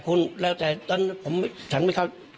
ก็เลยขับรถไปมอบตัว